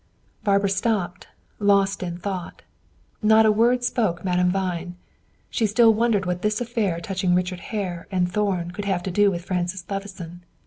Barbara stopped, lost in thought. Not a word spoke Madame Vine. She still wondered what this affair touching Richard Hare and Thorn could have to do with Francis Levison.